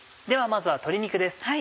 ではまずは鶏肉です。